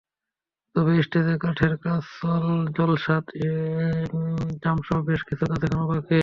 তবে স্টেজের কাঠের কাজ, জলছাদ, র্যাম্পসহ বেশ কিছু কাজ এখনো বাকি।